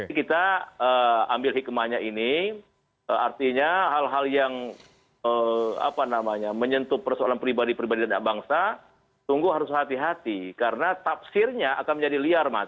jadi kita ambil hikmahnya ini artinya hal hal yang apa namanya menyentuh persoalan pribadi pribadi anak bangsa sungguh harus hati hati karena tafsirnya akan menjadi liar mas